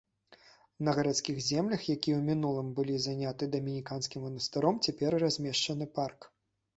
На гарадскіх землях, якія ў мінулым былі заняты дамініканскім манастыром, цяпер размешчаны парк.